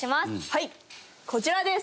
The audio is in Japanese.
はいこちらです。